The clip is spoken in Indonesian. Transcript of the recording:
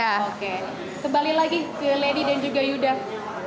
oke kembali lagi ke lady dan juga yudha